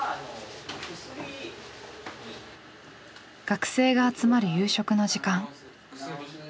学生が集まる夕食の時間。